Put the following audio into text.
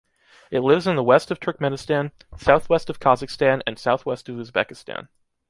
It lives in the west of Turkmenistan, southwest of Kazakhstan and southwest of Uzbekistan.